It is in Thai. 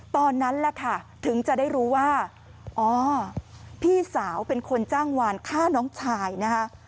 ตอนนั้นแหละค่ะถึงจะได้รู้ว่าอ๋อพี่สาวเป็นคนจ้างวานฆ่าน้องชายนะคะ